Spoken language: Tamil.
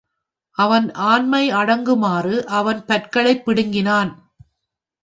அவன் ஆண்மை அடங்குமாறு அவன் பற்களைப் பிடுங்கினான்.